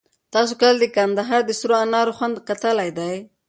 تاسو کله د کندهار د سرو انار خوند کتلی دی؟